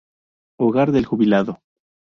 Hogar del jubilado.